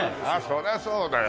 そりゃそうだよ。